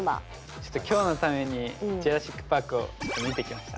ちょっと今日のために「ジュラシック・パーク」をちょっと見てきました。